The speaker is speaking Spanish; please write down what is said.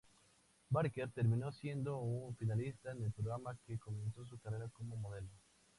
Barker terminó siendo un finalista en el programa, que comenzó su carrera como modelo.